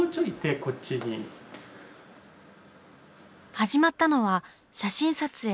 始まったのは写真撮影。